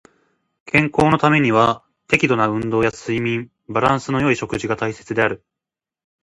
健康のためには適度な運動や睡眠、バランスの良い食事が大切である。